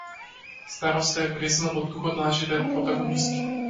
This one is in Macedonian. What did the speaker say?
Староста е влезена во духот на нашите протагонисти.